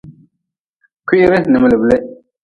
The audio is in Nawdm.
Kwiri n miliblih.